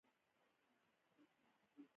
باسواده نجونې د کورنۍ غړو ته درناوی کوي.